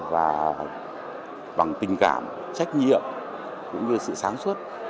và bằng tình cảm trách nhiệm cũng như sự sáng suốt